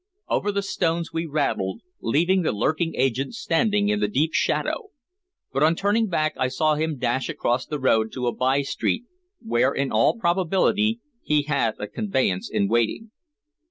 Over the stones we rattled, leaving the lurking agent standing in the deep shadow, but on turning back I saw him dash across the road to a by street, where, in all probability, he had a conveyance in waiting.